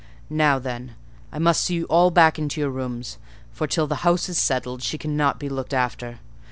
Now, then, I must see you all back into your rooms; for, till the house is settled, she cannot be looked after.